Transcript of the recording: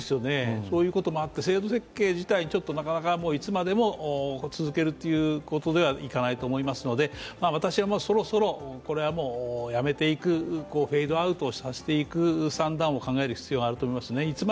そういうこともあって制度設計自体、いつまでも続けるというわけにはいかないと思いますので私はそろそろやめていくフェードアウトさせていく算段を考える必要があると思いますね。